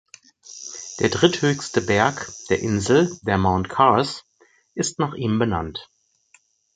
Der dritthöchste Berg der Insel, der Mount Carse, ist nach ihm benannt.